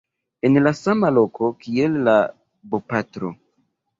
en la sama loko kiel la bopatro